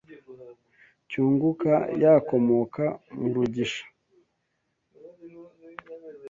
Cyunguka yakomoka mu rugisha